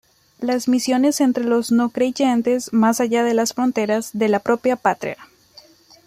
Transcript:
Las misiones entre los no-creyentes, "más allá de las fronteras" de la propia patria.